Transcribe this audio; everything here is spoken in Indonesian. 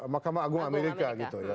mahkamah agung amerika gitu ya